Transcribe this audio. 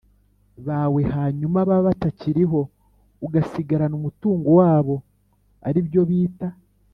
bawe hanyuma baba batakiriho ugasigarana umutungo wabo ari byo bita